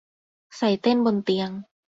ใส่เต้นบนเตียง